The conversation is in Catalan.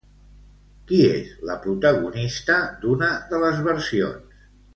Qui és la protagonista d'una de les versions?